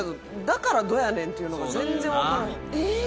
だからどやねんっていうのが全然分からへん。